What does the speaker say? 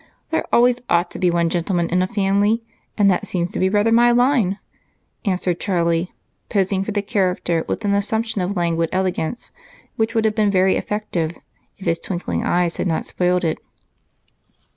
There always ought to be one gentleman in a family, and that seems to be rather my line," answered Charlie, posing for the character with an assumption of languid elegance which would have been very effective if his twinkling eyes had not spoilt it.